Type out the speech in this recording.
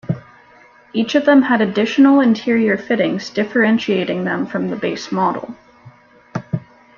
Each of them had additional interior fittings, differentiating them from the base model.